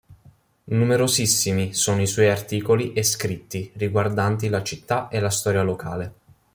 Numerosissimi sono i suoi articoli e scritti riguardanti la città e la storia locale.